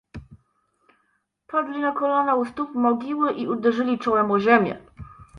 Padli na kolana u stóp mogiły i uderzyli czołem o ziemię.